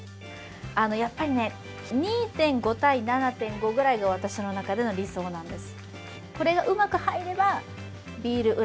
やっぱり２．５対７．５くらいが私の中での理想なんです。